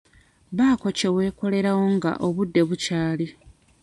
Baako kye weekolerawo nga obudde bukyali.